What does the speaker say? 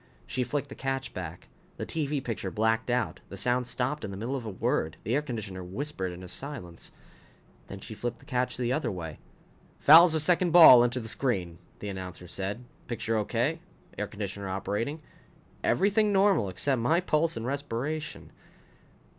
She flicked the catch back. The TV picture blacked out. The sound stopped in the middle of a word. The air conditioner whispered into silence. Then she flipped the catch the other way. " fouls the second ball into the screen," the announcer said. Picture okay. Air conditioner operating. Everything normal except my pulse and respiration.